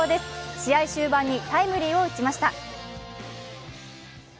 試合終盤にタイムリーを打ちました。